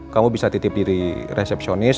kamu bisa titip diri resepsionis